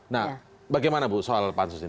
nah bagaimana bu soal pansus ini